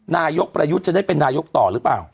นายกประยุทธ์จะได้เป็นนายกต่อหรือเปล่า